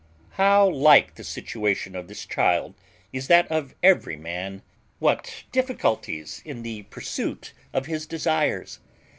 How like the situation of this child is that of every man! What difficulties in the pursuit of his desires!